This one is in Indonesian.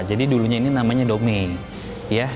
jadi dulunya ini namanya domain